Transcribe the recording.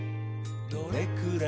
「どれくらい？